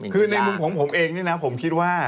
คือผมเองนะผมคิดว่า